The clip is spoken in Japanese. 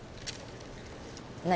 何？